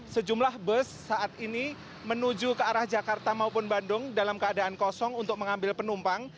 sejumlah bus saat ini menuju ke arah jakarta maupun bandung dalam keadaan kosong untuk mengambil penumpang